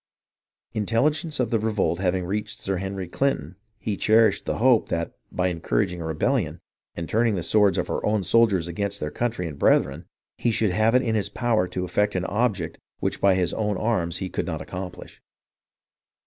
Intelligence of the revolt having reached Sir Henry Clinton, he cherished the hope that, by encouraging a rebellion, and turning the swords of our own soldiers against their country and brethren, he should have it in his power to effect an object, which by his own arms he could not accomplish.